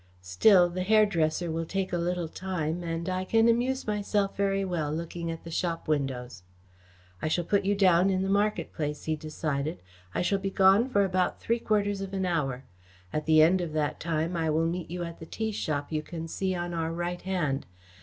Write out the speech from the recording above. Still, the hairdresser will take a little time, and I can amuse myself very well looking at the shop windows." "I shall put you down in the market place," he decided. "I shall be gone for about three quarters of an hour. At the end of that time I will meet you at the tea shop you can see on our right hand.